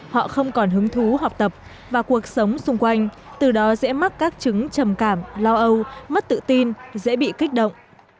họ không còn hứng thú học tập và cuộc sống xung quanh từ đó dễ mắc các chứng trầm cảm lo âu mất tự tin dễ bị kích động